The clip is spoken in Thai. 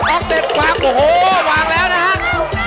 โอ้โหหวากแล้วนะครับ